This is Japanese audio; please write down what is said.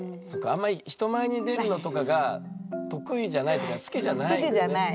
あんまり人前に出るのとかが得意じゃないとか好きじゃないじゃない？